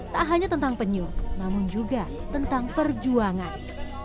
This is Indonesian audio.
tak hanya tentang penyu namun juga tentang perjuangan